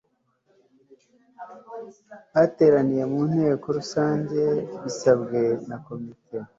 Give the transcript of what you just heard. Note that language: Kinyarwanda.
bateraniye mu nteko rusange bisabwe na komite